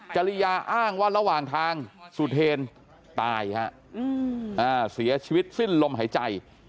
จริยาอ้างว่าระหว่างทางสุเทรนตายฮะเสียชีวิตสิ้นลมหายใจ